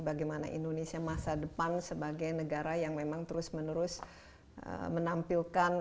bagaimana indonesia masa depan sebagai negara yang memang terus menerus menampilkan